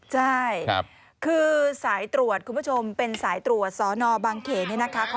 ใช่คือสายตรวจคุณผู้ชมเป็นสายตรวจสอนอบางเขนเนี่ยนะคะ